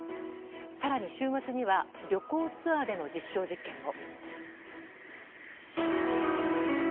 更に週末には旅行ツアーでの実証実験も。